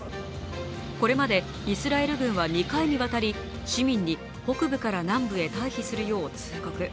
これまでイスラエル軍は２回に渡り市民に北部から南部に避難するよう通告。